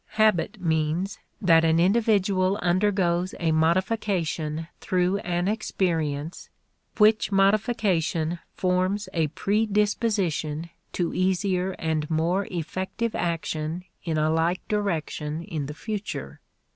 Habit means that an individual undergoes a modification through an experience, which modification forms a predisposition to easier and more effective action in a like direction in the future.